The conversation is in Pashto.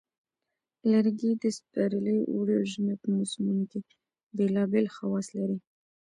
لرګي د پسرلي، اوړي، او ژمي په موسمونو کې بیلابیل خواص لري.